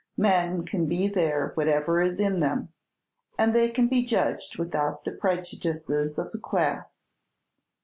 Men can be there whatever is in them, and they can be judged without the prejudices of a class."